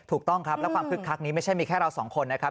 ถูกต้องครับแล้วความคึกคักนี้ไม่ใช่มีแค่เราสองคนนะครับ